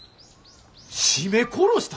絞め殺した！？